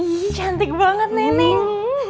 ihh cantik banget neneng